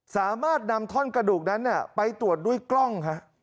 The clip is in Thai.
สามารถนำท่อนกระดูกนั้นไปตรวจด้วยกล้อง